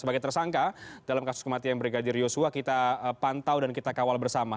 sebagai tersangka dalam kasus kematian brigadir yosua kita pantau dan kita kawal bersama